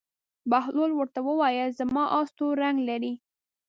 بهلول ورته وویل: زما اس تور رنګ لري.